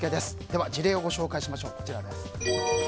では事例をご紹介します。